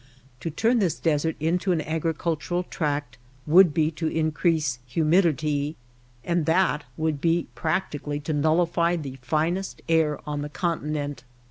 To turn this desert into an agricultural tract would be to increase humidity, and that would be practi cally to nullify the finest air on the continent.